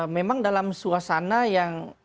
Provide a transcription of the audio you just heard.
memang dalam suasana yang